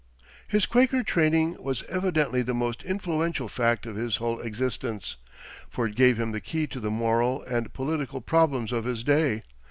His Quaker training was evidently the most influential fact of his whole existence, for it gave him the key to the moral and political problems of his day.